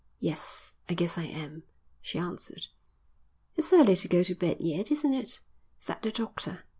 "Yes, I guess I am," she answered. "It's early to go to bed yet, isn't it?" said the doctor.